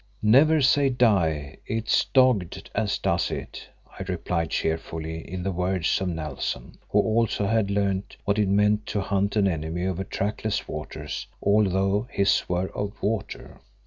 "Never say die! It's dogged as does it!" I replied cheerfully in the words of Nelson, who also had learned what it meant to hunt an enemy over trackless wastes, although his were of water.